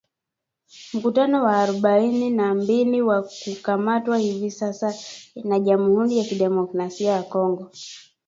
mkutano wa arubaini na mbili wa kukamatwa hivi sasa na Jamhuri ya Kidemokrasi ya Kongo